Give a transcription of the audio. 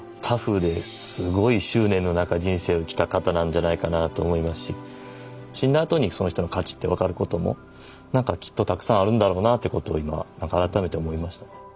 タフですごい執念の中人生を生きた方なんじゃないかなと思いますし死んだあとにその人の価値って分かることもなんかきっとたくさんあるんだろうなっていうことを今改めて思いましたね。